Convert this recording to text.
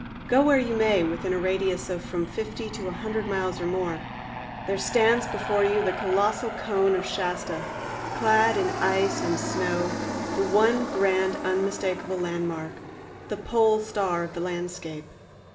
Go where you may, within a radius of from fifty to a hundred miles or more, there stands before you the colossal cone of Shasta, clad in ice and snow, the one grand unmistakable landmark—the pole star of the landscape.